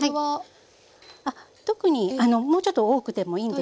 特にもうちょっと多くてもいいんですが。